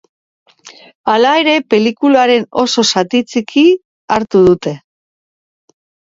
Hala ere, pelikularen oso zati txiki hartu dute.